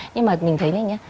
nhưng mà mình thấy này nha